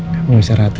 kamu bisa rahat ya